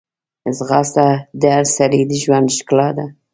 ځغاسته د هر سړي د ژوند ښکلا ده